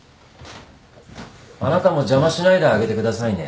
あなたも邪魔しないであげてくださいね。